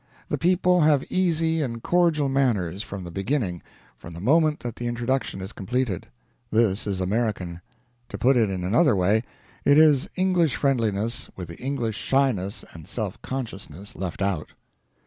The people have easy and cordial manners from the beginning from the moment that the introduction is completed. This is American. To put it in another way, it is English friendliness with the English shyness and self consciousness left out.